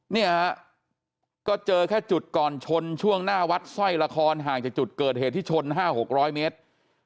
เนี่ยฮะก็เจอแค่จุดก่อนชนช่วงหน้าวัดสร้อยละครห่างจากจุดเกิดเหตุที่ชน๕๖๐๐เมตร